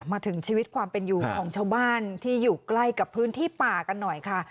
มาถึงชีวิตความเป็นอยู่ของชาวบ้านที่อยู่ใกล้กับพื้นที่ป่ากันหน่อยค่ะ